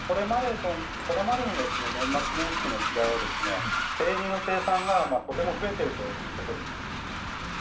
これまでの年末年始との違いは生乳の生産がとても増えているということです。